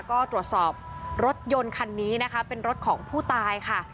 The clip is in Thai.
ก็ตรวจสอบรถยนต์คันนี้นะคะเป็นรถของผู้ตายค่ะ